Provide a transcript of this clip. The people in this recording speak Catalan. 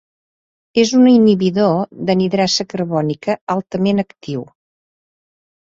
És un inhibidor de anhidrasa carbònica altament actiu.